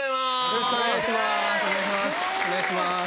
よろしくお願いします。